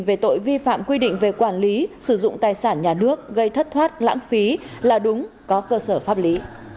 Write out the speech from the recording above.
về tội vi phạm quy định về quản lý sử dụng tài sản nhà nước gây thất thoát lãng phí là đúng có cơ sở pháp lý